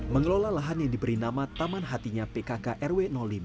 mengelola lahan yang diberi nama taman hatinya pkk rw lima